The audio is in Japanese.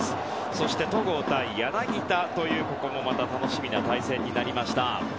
そして、戸郷対柳田という楽しみな対戦になりました。